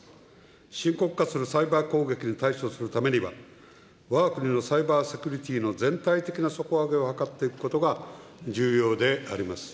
深刻化するサイバー攻撃に対処するためには、わが国のサイバーセキュリティーの全体的な底上げを図っていくことが重要であります。